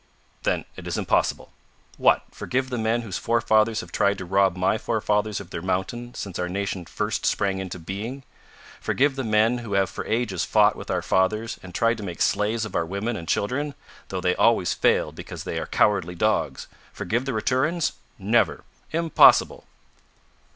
"Then it is impossible. What! forgive the men whose forefathers have tried to rob my forefathers of their mountain since our nation first sprang into being! Forgive the men who have for ages fought with our fathers, and tried to make slaves of our women and children though they always failed because they are cowardly dogs! Forgive the Raturans? Never! Impossible!"